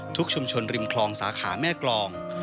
ชุมชนริมคลองสาขาแม่กรอง